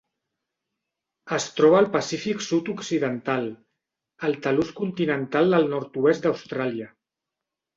Es troba al Pacífic sud-occidental: el talús continental del nord-oest d'Austràlia.